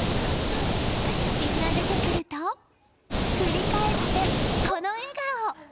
ガチャピンが出てくると振り返ってこの笑顔。